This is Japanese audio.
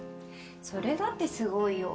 それだってすごいよ。